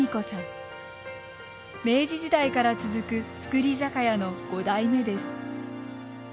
明治時代から続く造り酒屋の５代目です。